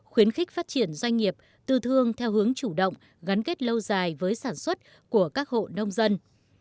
khuyến khích phát triển doanh nghiệp tư thương theo hướng chủ động gắn kết lâu dài với sản xuất của các hộ nông dân